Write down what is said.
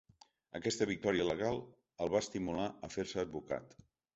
Aquesta victòria legal el va estimular a fer-se advocat.